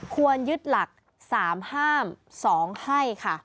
ควรยึดหลัก๓ห้าม๒ให้ค่ะ